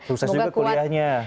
sukses juga kuliahnya